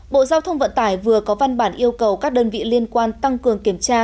bộ giao thông vận tải vừa có văn bản yêu cầu các đơn vị liên quan tăng cường kiểm tra